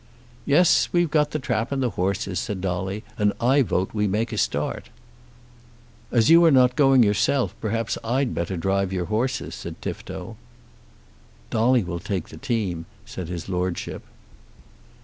"Yes; we've got the trap and the horses," said Dolly, "and I vote we make a start." "As you are not going yourself, perhaps I'd better drive your horses," said Tifto. "Dolly will take the team," said his Lordship.